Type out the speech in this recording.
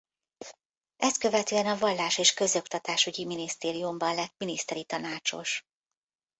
Ezt követően a Vallás- és Közoktatásügyi Minisztériumban lett miniszteri tanácsos.